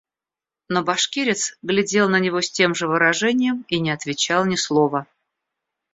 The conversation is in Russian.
Но башкирец глядел на него с тем же выражением и не отвечал ни слова.